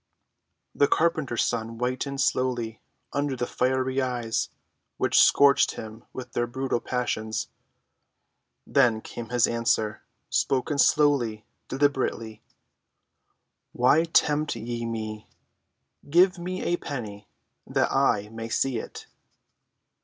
The carpenter's son whitened slowly under the fiery eyes which scorched him with their brutal passions. Then came his answer—spoken slowly, deliberately: "Why tempt ye me? Give me a penny, that I may see it."